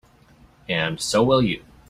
And so will you.